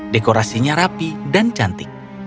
dekorasinya rapi dan cantik